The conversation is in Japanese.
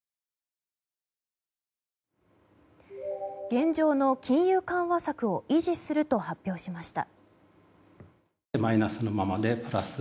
現状の金融緩和策を維持すると発表しました。